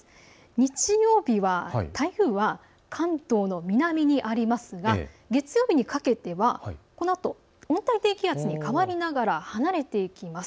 日曜日は台風は関東の南にありますが、月曜日にかけてはこのあと温帯低気圧に変わりながら離れていきます。